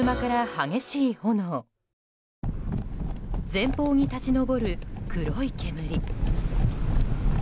前方に立ち上る黒い煙。